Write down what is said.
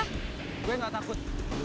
gue gak takut